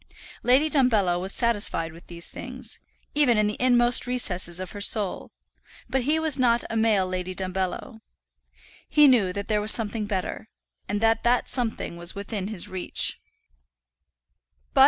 Lady Dumbello was satisfied with these things, even in the inmost recesses of her soul; but he was not a male Lady Dumbello. He knew that there was something better, and that that something was within his reach.